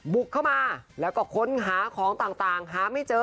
บุกเข้ามาแล้วก็ค้นหาของต่างหาไม่เจอ